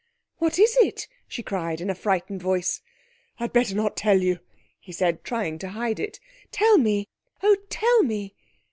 'What is it?' she cried in a frightened voice. 'I'd better not tell you,' he said, trying to hide it. 'Tell me oh! tell me!'